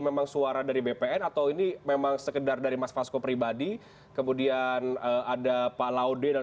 memang suara dari bpn atau ini memang sekedar dari mas fasko pribadi kemudian ada pak laude dan